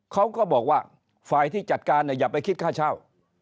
เขาก็บอกว่าฝ่ายที่จัดการอย่าไปคิดค่าเช่า